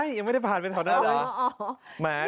พี่บันไม่ได้ไปถามแล้วแหละ